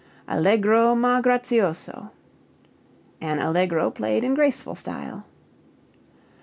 Allegro ma grazioso an allegro played in graceful style.